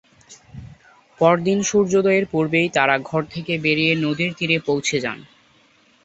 পরদিন সূর্যোদয়ের পূর্বেই তারা ঘর থেকে বেরিয়ে নদীর তীরে পৌঁছে যান।